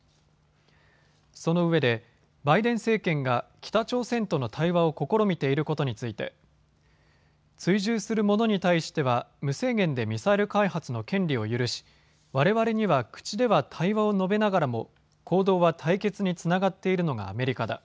そのうえでバイデン政権が北朝鮮との対話を試みていることについて追従する者に対しては無制限でミサイル開発の権利を許しわれわれには口では対話を述べながらも行動は対決につながっているのがアメリカだ。